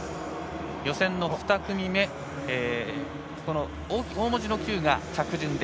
予選の２組目、大文字のＱが着順で。